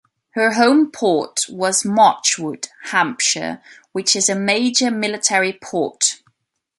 Her home port was Marchwood, Hampshire, which is a major military port.